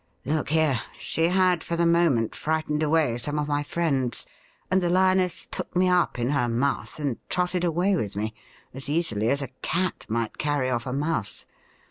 Look here, she had for the moment frightened away some of my friends, and the lioness took me up in her mouth and trotted away with me as easily as a cat might carry off a mouse.